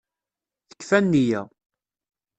Tekfa nniya.